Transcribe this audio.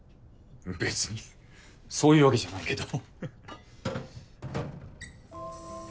別にそういうわけじゃないけど。